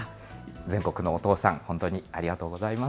全国のお父さん、本当にありがとうございます。